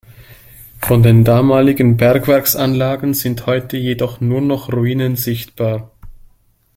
Von den damaligen Bergwerks-Anlagen sind heute jedoch nur noch Ruinen sichtbar.